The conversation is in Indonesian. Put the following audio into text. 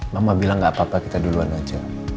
mama bilang gak apa apa kita duluan aja